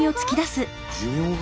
寿命が？